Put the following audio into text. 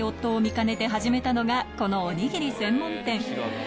かねて始めたのがこのおにぎり専門店